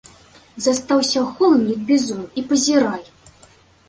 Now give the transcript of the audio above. Застаўся голым як бізун і пазірай!